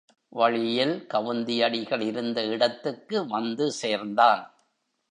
வழியில் கவுந்தியடிகள் இருந்த இடத்துக்கு வந்து சேர்ந்தான்.